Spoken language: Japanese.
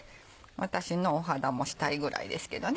私のお肌もしたいぐらいですけどね。